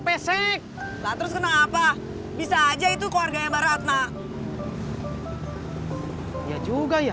pesek bisa aja itu keluarga mbak ratna juga ya